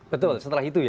betul setelah itu ya